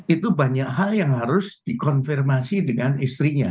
itu banyak hal yang harus dikonfirmasi dengan istrinya